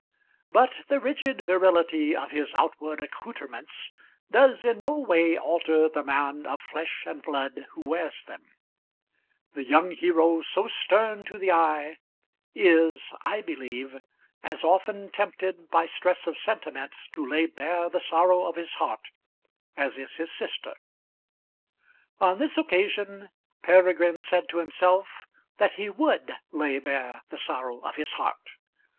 But the rigid virility of his outward accoutrements does in no way alter the man of flesh and blood who wears them; the young hero, so stern to the eye, is, I believe, as often tempted by stress of sentiment to lay bare the sorrow of his heart as is his sister. On this occasion Peregrine said to himself that he would lay bare the sorrow of his heart.